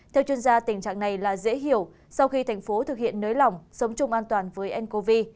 theo chuyên gia tình trạng này là dễ hiểu sau khi thành phố thực hiện nới lỏng sống chung an toàn với ncov